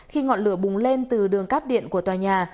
khi ngọn lửa bùng lên từ đường cắp điện của tòa nhà